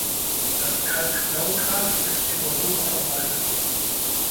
Das Kalk-Blaugras ist in Europa verbreitet.